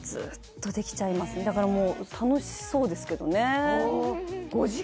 だからもう楽しそうですけどね